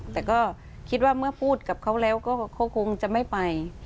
แต่ก็คิดว่าเมื่อพูดกับเขาแล้วก็เขาคงจะไม่ไป